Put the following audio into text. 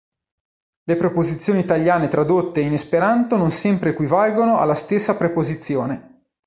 Le preposizioni italiane tradotte in esperanto non sempre equivalgono alla stessa preposizione.